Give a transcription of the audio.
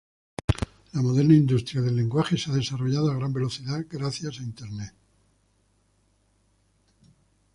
La moderna industria del lenguaje se ha desarrollado a gran velocidad, gracias a internet.